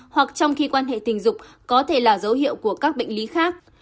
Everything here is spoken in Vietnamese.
hoặc trong khi quan hệ tình dục có thể là dấu hiệu của các bệnh lý khác